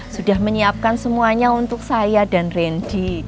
sudah menyiapkan semuanya untuk saya dan ranji